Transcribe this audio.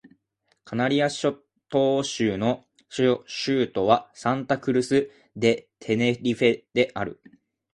カナリア諸島州の州都はサンタ・クルス・デ・テネリフェである